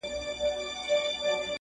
دغه پاڼ به مي په یاد وي له دې دمه.!